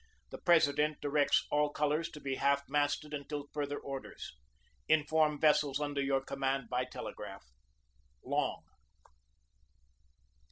The President directs all colors to be half masted until further orders. Inform vessels under your command by telegraph. "LONG."